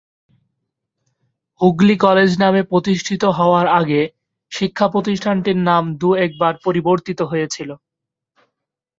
Hooghly college নামে প্রতিষ্ঠিত হওয়ার আগে শিক্ষা প্রতিষ্ঠানটির নাম দু-একবার পরিবর্তিত হয়েছিল।